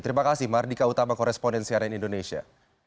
terima kasih mardika utama korrespondensi ana indonesia